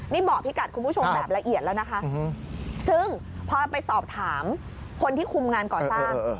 นี่บอกพี่กัดคุณผู้ชมแบบละเอียดแล้วนะคะซึ่งพอไปสอบถามคนที่คุมงานก่อสร้าง